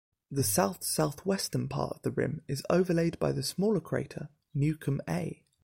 The south-southwestern part of the rim is overlaid by the smaller crater Newcomb A.